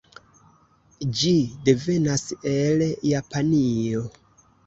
Ĝi devenas el Japanio.